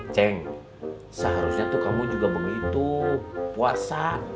ceng seharusnya tuh kamu juga mau itu puasa